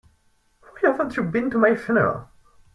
Why haven't you been to my funeral?